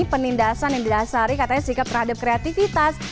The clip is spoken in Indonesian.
penindasan yang didasari katanya sikap terhadap kreativitas